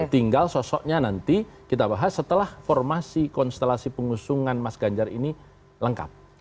tinggal sosoknya nanti kita bahas setelah formasi konstelasi pengusungan mas ganjar ini lengkap